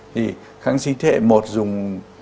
thì kháng sinh thế hệ một dùng